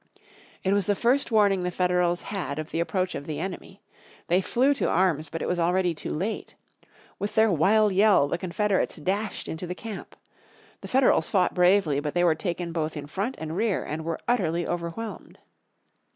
It was the first warning the Federals had of the approach of the enemy. They flew to arms, but it was already too late. With their wild yell the Confederates dashed into the camp. The Federals fought bravely, but they were taken both in front and rear, and were utterly overwhelmed.